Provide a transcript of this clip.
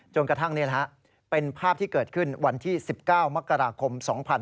กระทั่งนี่แหละเป็นภาพที่เกิดขึ้นวันที่๑๙มกราคม๒๕๕๙